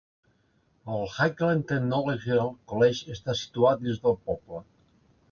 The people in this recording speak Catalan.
El Highland Theological College està situat dins del poble.